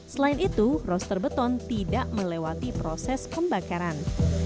selain itu roster beton tidak melewati proses pembakaran